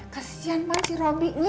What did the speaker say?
kesian banget si robi yee